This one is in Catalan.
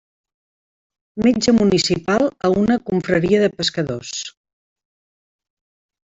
Metge municipal a una confraria de pescadors.